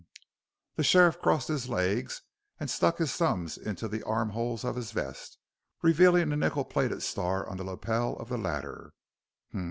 "H'm!" The sheriff crossed his legs and stuck his thumbs into the arm holes of his vest, revealing a nickle plated star on the lapel of the latter.